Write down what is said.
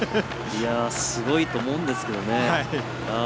すごいと思うんですけどね。